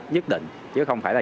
nhất định chứ không phải là